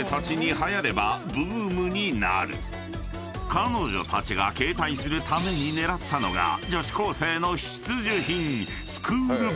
［彼女たちが携帯するために狙ったのが女子高生の必需品］